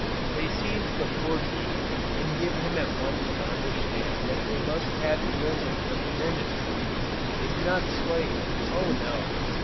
They seize the poor bee, and give him at once to understand that they must have the earnings of his industry. They do not slay him. Oh no!